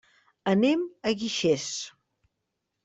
Anem a Guixers.